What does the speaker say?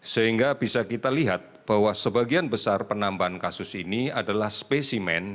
sehingga bisa kita lihat bahwa sebagian besar penambahan kasus ini adalah spesimen